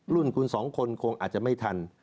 รุ่นคุณสองคนคงอาจจะไม่ทัน